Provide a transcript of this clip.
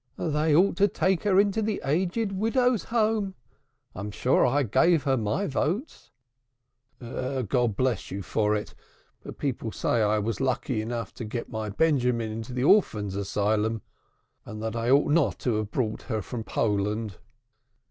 "They ought to take her into the Aged Widows' Home. I'm sure I gave her my votes." "God shall bless you for it. But people say I was lucky enough to get my Benjamin into the Orphan Asylum, and that I ought not to have brought her from Poland.